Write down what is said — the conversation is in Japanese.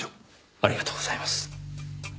ありがとうございます。